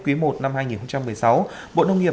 quý i năm hai nghìn một mươi sáu bộ nông nghiệp